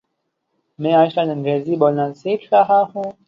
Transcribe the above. میں آج کل انگریزی بولنا سیکھ رہا ہوں